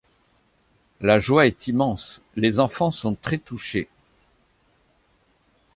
La joie est immense, les enfants sont très touchés.